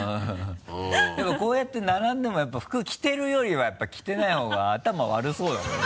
でもこうやって並んでもやっぱり服着てるよりはやっぱり着てない方が頭悪そうだもんね。